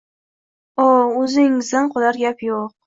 O’, o‘zingizdan qolar gap yo‘q